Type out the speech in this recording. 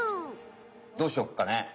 どうしよっかね？